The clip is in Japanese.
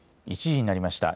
１時になりました。